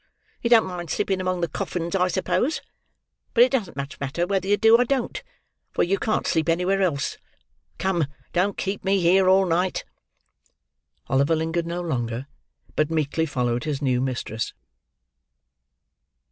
You don't mind sleeping among the coffins, I suppose? But it doesn't much matter whether you do or don't, for you can't sleep anywhere else. Come; don't keep me here all night!" Oliver lingered no longer, but meekly followed his new mistress.